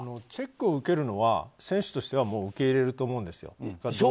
チェックを受けるのは選手としては受け入れると思うんです。